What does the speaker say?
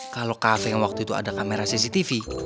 kalau kafe yang waktu itu ada kamera cctv